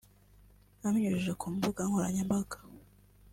Abinyujije ku mbuga nkoranyambaga